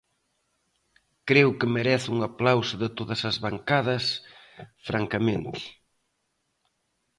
Creo que merece un aplauso de todas as bancadas, francamente.